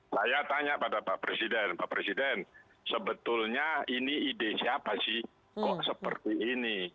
saya tanya pada pak presiden pak presiden sebetulnya ini ide siapa sih kok seperti ini